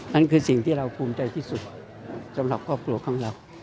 นั่นคือสิ่งที่เราภูมิใจที่สุดสำหรับครอบครัวของเรา